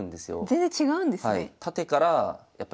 全然違うんですね。